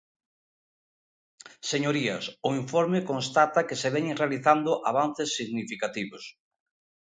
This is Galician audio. Señorías, o informe constata que se veñen realizando avances significativos.